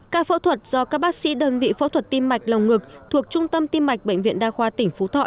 ca phẫu thuật do các bác sĩ đơn vị phẫu thuật tim mạch lồng ngực thuộc trung tâm tim mạch bệnh viện đa khoa tỉnh phú thọ